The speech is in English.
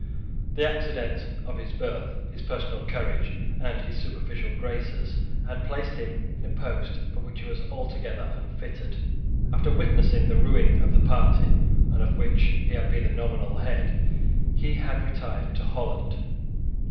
The accident of his birth, his personal courage, and his superficial graces, had placed him in a post for which he was altogether unfitted. After witnessing the ruin of the party of which he had been the nominal head, he had retired to Holland.